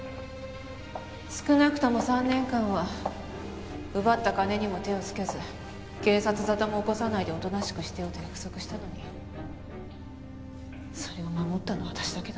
少なくとも３年間は奪った金にも手をつけず警察沙汰も起こさないでおとなしくしてると約束したのにそれを守ったのは私だけだった。